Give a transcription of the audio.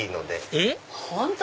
えっ？